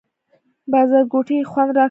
بازارګوټي یې خوند راکړ.